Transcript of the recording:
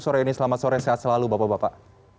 sore ini selamat sore sehat selalu bapak bapak